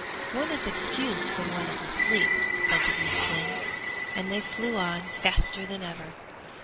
'One is excused when one is asleep!' said the Eastwind, and they flew on faster than ever.